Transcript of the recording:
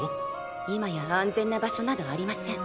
今や安全な場所などありません。